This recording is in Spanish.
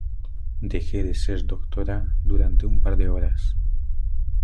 deje de ser doctora durante un par de horas